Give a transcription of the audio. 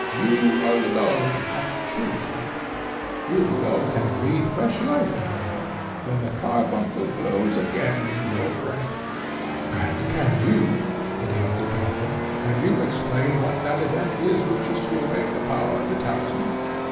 You alone have killed her, you alone can breathe fresh life into her, when the carbuncle glows again in your breast." "And can you," interrupted Peregrine, "can you explain what that event is which is to awake the power of the talisman?"